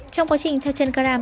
trong quá trình theo chân caram